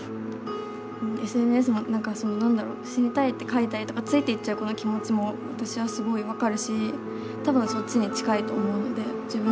ＳＮＳに何だろ死にたいって書いたりとかついていっちゃう子の気持ちも私はすごい分かるし多分そっちに近いと思うので自分自身が。